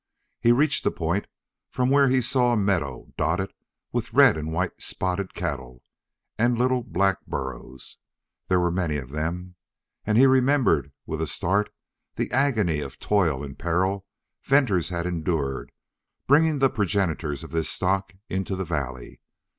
He reached a point from where he saw a meadow dotted with red and white spotted cattle and little black burros. There were many of them. And he remembered with a start the agony of toil and peril Venters had endured bringing the progenitors of this stock into the valley.